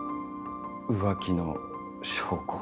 浮気の証拠。